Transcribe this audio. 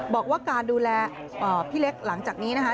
บอกว่าการดูแลพี่เล็กหลังจากนี้นะคะ